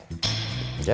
じゃ